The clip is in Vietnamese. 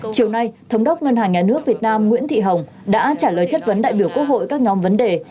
chiều nay thống đốc ngân hàng nhà nước việt nam nguyễn thị hồng đã trả lời chất vấn đại biểu quốc hội các nhóm vấn đề